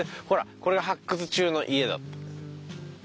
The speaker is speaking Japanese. ほらこれが「発掘中の家」だって。